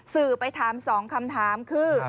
สื่อไปถาม๒คำถามคือ